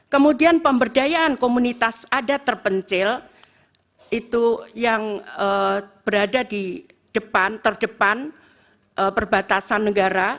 kemudian pemberdayaan komunitas adat terpencil itu yang berada di depan terdepan perbatasan negara